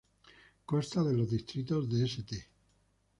Consta de los distritos de St.